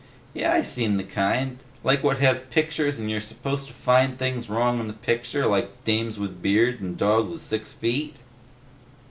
"Yeh, I seen the kind. Like what has pictures and you're supposed to find things wrong in the picture like dames with beards and dogs with six feet?"